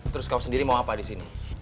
terus kau sendiri mau apa disini